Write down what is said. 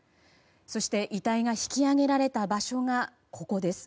そして、遺体が引き上げられた場所がここです。